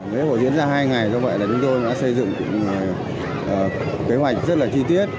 lễ hội diễn ra hai ngày do vậy là chúng tôi đã xây dựng kế hoạch rất là chi tiết